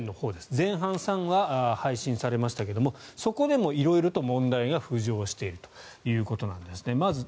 前半３話が配信されましたがそこでも色々と問題が浮上しているということです。